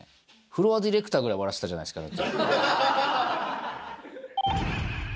フロアディレクターぐらい笑ってたじゃないですか。